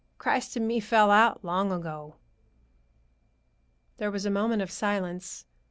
"Christ and me fell out long ago." There was a moment of silence.